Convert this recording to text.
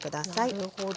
なるほど。